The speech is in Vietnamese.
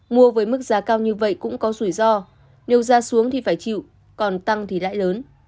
mua với mức giá cao như vậy cũng có rủi ro nếu ra xuống thì phải chịu còn tăng thì lãi lớn